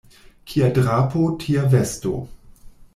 Kia drapo, tia vesto.